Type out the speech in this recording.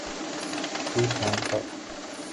کوئی پلان تھا۔